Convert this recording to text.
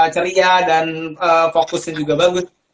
ceria dan fokusnya juga bagus